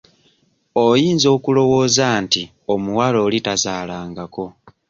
Oyinza okulowooza nti omuwala oli tazaalangako.